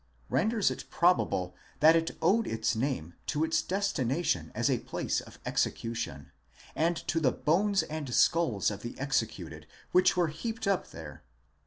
renders it probable that it owed its name to its destination as a place of exe cution, and to the bones and skulls of the executed which were heaped up there.